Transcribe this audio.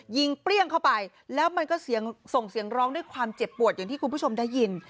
เปรี้ยงเข้าไปแล้วมันก็เสียงส่งเสียงร้องด้วยความเจ็บปวดอย่างที่คุณผู้ชมได้ยิน